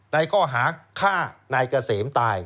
ในข้อหาฆ่านายเกษมตาย